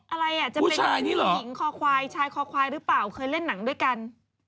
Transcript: อะไรอ่ะจะเป็นหญิงคอควายชายคอควายหรือเปล่าเคยเล่นหนังด้วยกัน